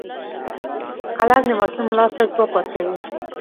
قلم د ماشوم لاس ته ځواک ورکوي